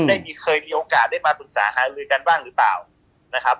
เคยมีโอกาสได้มาปรึกษาหาลือกันบ้างหรือเปล่านะครับ